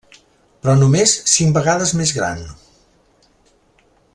Però només cinc vegades més gran.